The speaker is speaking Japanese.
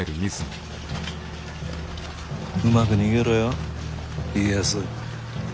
うまく逃げろよ家康。